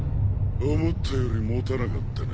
思ったよりもたなかったな。